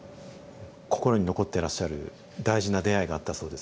心に残ってらっしゃる大事な出会いがあったそうですね。